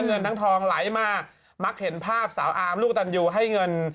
เงินทั้งทองไหลมามักเห็นภาพสาวอาร์มลูกตันยูให้เงิน